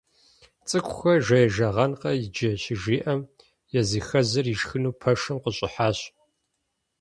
ЦӀыкӀухэр жеижагъэнкъэ иджы щыжиӀэм, языхэзыр ишхыну пэшым къыщӀыхьащ.